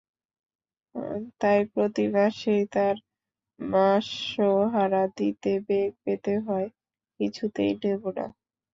তাই প্রতি মাসেই তার মাসোহারা দিতে বেগ পেতে হয়—কিছুতেই নেবে না।